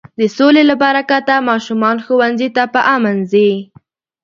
د سولې له برکته ماشومان ښوونځي ته په امن ځي.